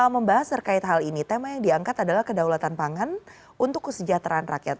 membahas terkait hal ini tema yang diangkat adalah kedaulatan pangan untuk kesejahteraan rakyat